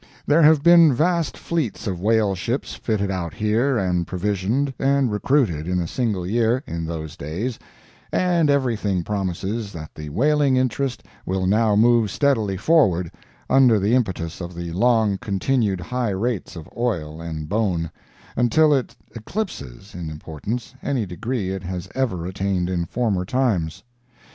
There have been vast fleets of whaleships fitted out here and provisioned and recruited in a single year, in those days, and everything promises that the whaling interest will now move steadily forward, under the impetus of the long continued high rates of oil and bone, until it eclipses in importance any degree it has ever attained in former times.